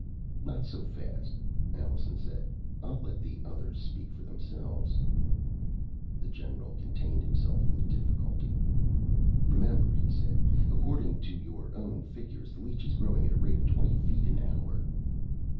"Not so fast," Allenson said. "I'll let the others speak for themselves." The general contained himself with difficulty. "Remember," he said, "according to your own figures, the leech is growing at the rate of twenty feet an hour."